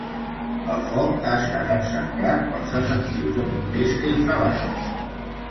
El foc ha estat encerclat pels efectius de bombers que hi treballen.